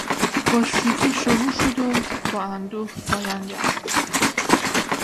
با شوخی شروع شد و با اندوه پایان یافت.